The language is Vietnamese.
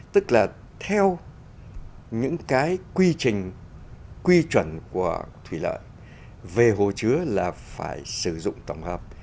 tức là theo những cái quy trình quy chuẩn của thủy lợi về hồ chứa là phải sử dụng tổng hợp